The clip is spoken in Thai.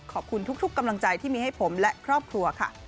ขอบคุณทุกกำลังใจที่มีให้ผมและครอบครัวค่ะ